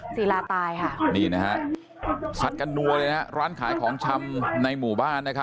ศิลาตายค่ะนี่นะฮะสัดกันนัวเลยนะฮะร้านขายของชำในหมู่บ้าน